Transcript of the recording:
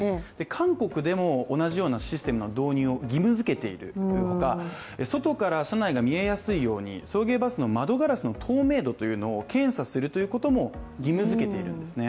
韓国でも同じようなシステムの導入を義務づけている他外から車内が見えやすいように送迎バスの窓ガラスの透明度を検査するということも義務づけているんですね